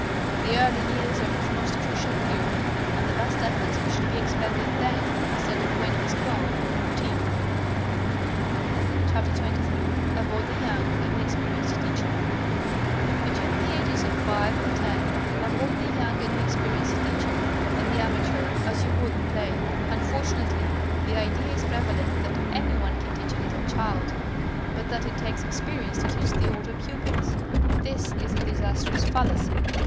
The early years are his most crucial period, and the best efforts should be expended then instead of when he is twelve or fourteen. XXIII AVOID THE YOUNG AND INEXPERIENCED TEACHER Between the ages of five and ten avoid the young and inexperienced teacher and the amateur as you would the plague. Unfortunately, the idea is prevalent that any one can teach a little child, but that it takes experience to teach the older pupils. This is a disastrous fallacy.